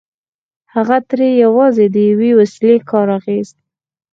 هغه ترې يوازې د يوې وسيلې کار اخيست.